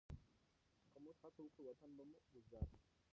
که موږ هڅه وکړو، وطن به مو ګلزار شي.